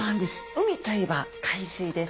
海といえば海水です。